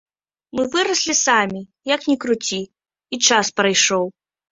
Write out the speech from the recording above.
Мы выраслі самі, як ні круці, і час прайшоў.